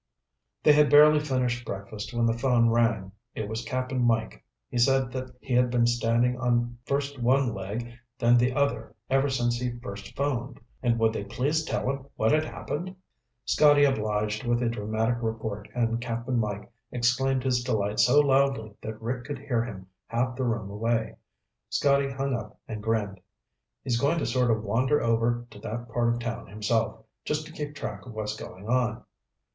They had barely finished breakfast when the phone rang. It was Cap'n Mike. He said that he had been standing on first one leg then the other ever since he first phoned, and would they please tell him what had happened. Scotty obliged with a dramatic report and Cap'n Mike exclaimed his delight so loudly that Rick could hear him half the room away. Scotty hung up and grinned. "He's going to sort of wander over to that part of town himself, just to keep track of what's going on."